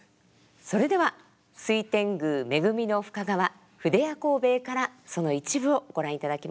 それでは「水天宮利生深川」「筆屋幸兵衛」からその一部をご覧いただきます。